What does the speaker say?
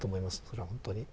それは本当に。